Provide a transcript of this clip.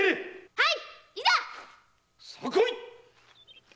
はい！